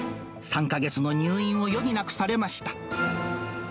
３か月の入院を余儀なくされました。